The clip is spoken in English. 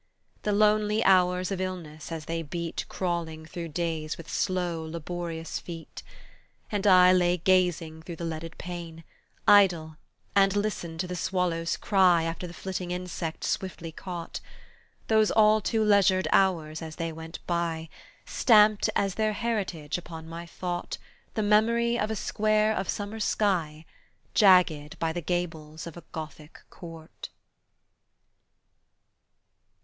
The lonely hours of illness, as they beat Crawling through days with slow laborious feet, And I lay gazing through the leaded pane, Idle, and listened to the swallows' cry After the flitting insect swiftly caught, Those all too leisured hours as they went by, Stamped as their heritage upon my thought The memory of a square of summer sky Jagged by the gables of a Gothic court.